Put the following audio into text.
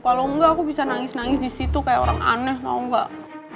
kalau enggak aku bisa nangis nangis di situ kayak orang aneh mau enggak